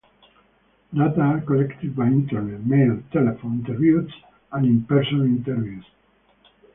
Data are collected by internet, mail, telephone interviews and in-person interviews.